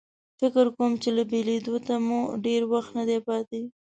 فکر کوم چې له بېلېدو ته مو ډېر وخت نه دی پاتې.